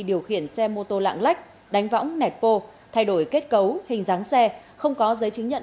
điều khiển xe mô tô lạng lách đánh võng nẹt bô thay đổi kết cấu hình dáng xe không có giấy chứng nhận